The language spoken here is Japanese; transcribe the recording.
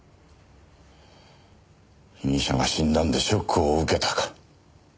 被疑者が死んだんでショックを受けたか？